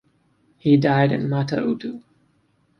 He died in Mata-Utu.